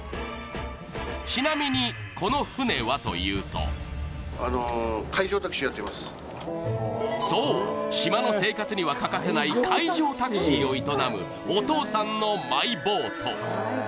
ちなみに、この船はというとそう、島の生活には欠かせない海上タクシーを営むお父さんのマイボート。